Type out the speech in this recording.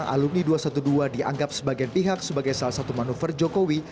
alumni dua ratus dua belas dianggap sebagai pihak sebagai salah satu manuver jokowi